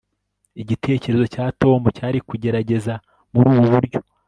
igitekerezo cya tom cyari kugerageza muri ubu buryo